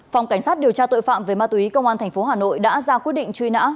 phòng cảnh sát điều tra tội phạm về ma túy công an tp hà nội đã ra quyết định truy nã